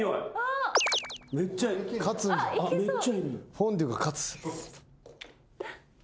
フォンデュが勝つ。